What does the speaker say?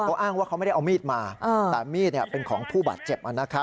เขาอ้างว่าเขาไม่ได้เอามีดมาแต่มีดเป็นของผู้บาดเจ็บ